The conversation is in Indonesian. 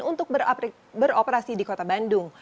untuk beroperasi di kota bandung